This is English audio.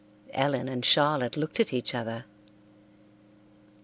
Ellen and Charlotte looked at each other.